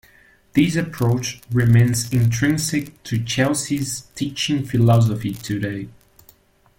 This approach remains intrinsic to Chelsea's teaching philosophy today.